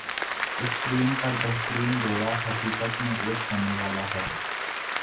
screen پر بہترین جوڑا حقیقت میں ایک ہونے والا ہے